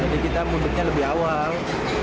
jadi kita mudiknya lebih awal